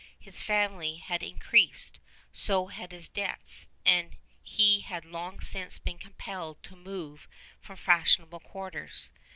His family had increased; so had his debts; and he had long since been compelled to move from fashionable quarters.